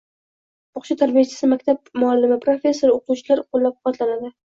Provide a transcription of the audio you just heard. bog‘cha tarbiyachisi, maktab muallimi, professor-o‘qituvchilar qo‘llab-quvvatlanadi.